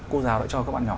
cô giáo đã cho các bạn nhỏ